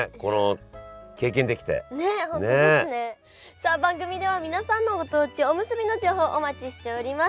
さあ番組では皆さんのご当地おむすびの情報をお待ちしております！